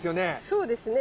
そうですね。